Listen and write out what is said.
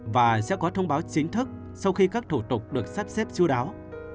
và sẽ có thông báo chính thức sau khi các thủ tục được sắp xếp chú đáo